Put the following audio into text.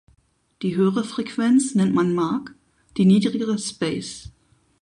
Die höhere Frequenz nennt man "Mark" und die niedrigere "Space".